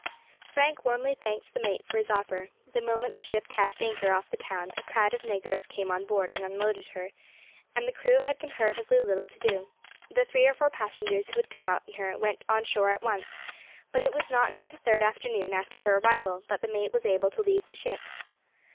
Frank warmly thanked the mate for his offer. The moment the ship cast anchor off the town a crowd of negroes came on board and unloaded her, and the crew had comparatively little to do; the three or four passengers who had come out in her went on shore at once, but it was not until the third afternoon after her arrival that the mate was able to leave the ship.